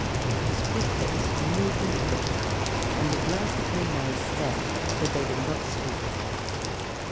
The split lips moved and twitched; and the glassy green eyes stared, but they did not speak.